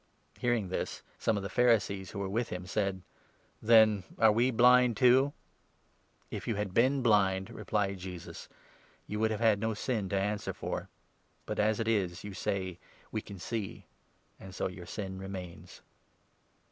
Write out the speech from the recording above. Hearing this, some of the Pharisees who were with him said : 40 " Then are we blind too ?" "If you had been blind," replied Jesus, "you would have 41 had no sin to answer for ; but, as it is, you say ' We can see,' and so your sin remains.